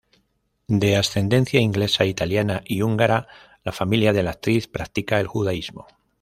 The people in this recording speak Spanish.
De ascendencia inglesa, italiana, y húngara la familia de la actriz practica el judaísmo.